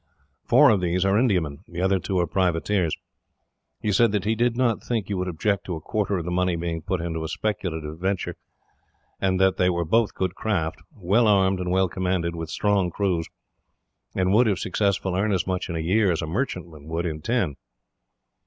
Four of these are Indiamen. The other two are privateers. He said that he did not think you would object to a quarter of the money being put into a speculative venture, and that they were both good craft, well armed and well commanded, with strong crews; and would, if successful, earn as much in a year as a merchantman would in ten."